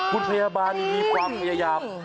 คุณพยาบาลมีความพยายาม